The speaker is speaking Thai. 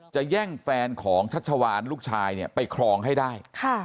แย่งแฟนของชัชวานลูกชายเนี่ยไปครองให้ได้